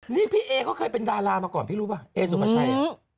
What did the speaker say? นี่พี่เอเขาเคยเป็นดารามาก่อนพี่รู้ป่ะเอสุภาชัย